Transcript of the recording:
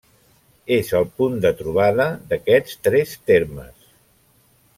És el punt de trobada d'aquests tres termes.